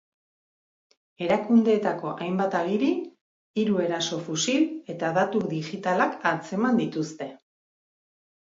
Erakundeetako hainbat agiri, hiru eraso-fusil eta datu digitalak atzeman dituzte.